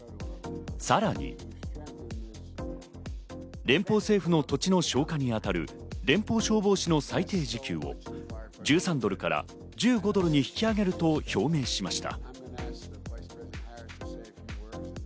さらに連邦政府の土地の消火に当たる連邦消防士の最低時給も１３ドルから１５ドルに引き上げると表明しました。